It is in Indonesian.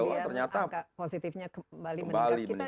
ternyata positifnya kembali meningkat